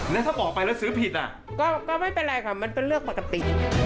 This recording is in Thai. แล้วถ้าบอกไปแล้วซื้อผิดอ่ะก็ไม่เป็นไรค่ะมันเป็นเรื่องปกติ